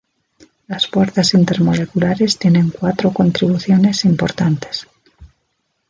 Las fuerzas intermoleculares tienen cuatro contribuciones importantes.